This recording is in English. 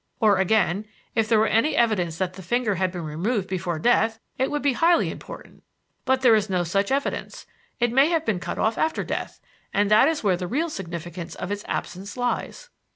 Or, again, if there were any evidence that the finger had been removed before death, it would be highly important. But there is no such evidence. It may have been cut off after death, and that is where the real significance of its absence lies."